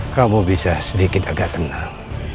kamu bisa sedikit agak tenang